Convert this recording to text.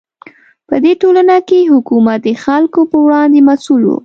په دې ټولنه کې حکومت د خلکو په وړاندې مسوول و.